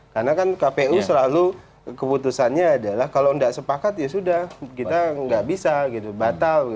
karena kan kpu selalu keputusannya adalah kalau nggak sepakat ya sudah kita nggak bisa gitu batal